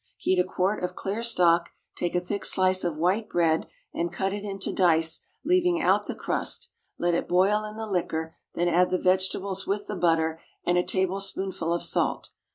Heat a quart of clear stock, take a thick slice of white bread and cut it into dice, leaving out the crust, let it boil in the liquor, then add the vegetables with the butter, and a tablespoonful of salt.